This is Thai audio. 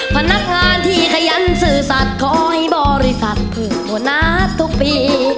พนักงานที่ขยันสื่อสัตว์ขอให้บริษัทเผื่อบัวนัดทุกปี